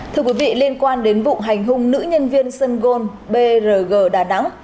thưa quý vị liên quan đến vụ hành hung nữ nhân viên sân gôn brg đà nẵng